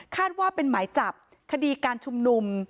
ว่าเป็นหมายจับคดีการชุมนุม